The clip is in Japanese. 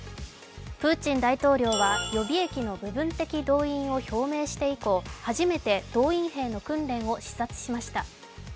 プーチン大統領は予備役の部分的動員を表明して以降、初めて動員兵の訓練を視察しました。